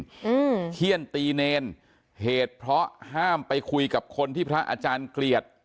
อืมเขี้ยนตีเนรเหตุเพราะห้ามไปคุยกับคนที่พระอาจารย์เกลียด